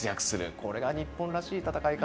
これが日本らしい戦い方